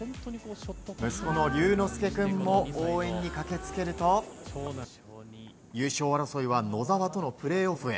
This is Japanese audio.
息子の龍之介君も応援に駆け付けると優勝争いは野澤とのプレーオフへ。